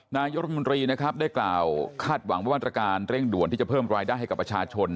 นายกรัฐมนตรีนะครับได้กล่าวคาดหวังว่ามาตรการเร่งด่วนที่จะเพิ่มรายได้ให้กับประชาชน